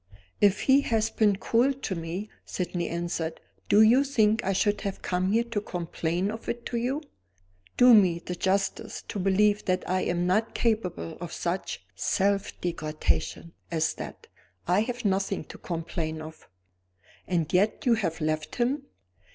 "If he has been cruel to me," Sydney answered, "do you think I should have come here to complain of it to You? Do me the justice to believe that I am not capable of such self degradation as that. I have nothing to complain of." "And yet you have left him?"